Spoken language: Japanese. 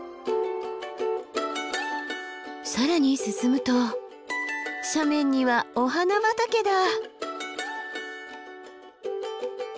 更に進むと斜面にはお花畑だ！